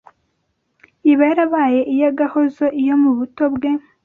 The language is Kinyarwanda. iba yarabaye iy’agahozo iyo mu buto bwe